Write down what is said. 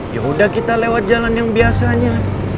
yaudah kita lewat jalan yang biasanya